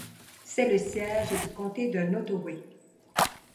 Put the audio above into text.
C’est le siège du comté de Nottoway.